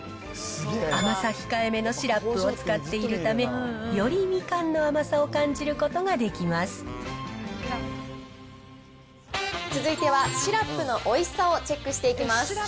甘さ控えめのシラップを使っているので、よりみかんの甘さを感じ続いてはシラップのおいしさをチェックしていきます。